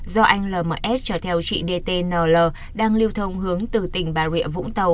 do anh lms chở theo chị dtnl đang lưu thông hướng từ tỉnh bà rịa vũng tàu